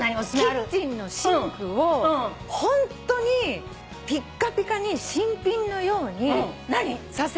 キッチンのシンクをホントにピッカピカに新品のようにさせるのは。